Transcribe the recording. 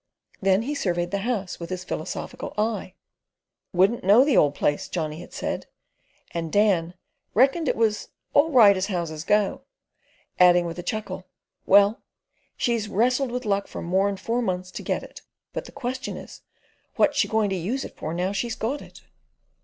Then he surveyed the house with his philosophical eye. "Wouldn't know the old place," Johnny had said, and Dan "reckoned" it was "all right as houses go." Adding with a chuckle, "Well, she's wrestled with luck for more'n four months to get it, but the question is, what's she going to use it for now she's got it?"